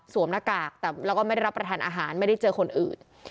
หน้ากากแต่แล้วก็ไม่ได้รับประทานอาหารไม่ได้เจอคนอื่น